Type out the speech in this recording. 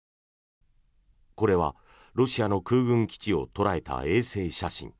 これはロシアの空軍基地を捉えた衛星写真。